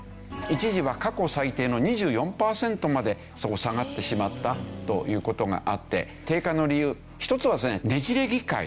一時は過去最低の２４パーセントまで下がってしまったという事があって低下の理由１つはですねねじれ議会。